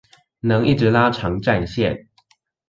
能一直拉長戰線